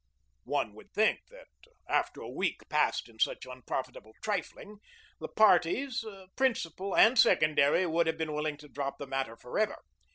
One would think that, after a week passed in such unprofitable trifling, the parties, principal and secondary, would have been willing to drop the matter forever.